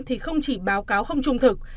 thì không chỉ báo cáo không trung thực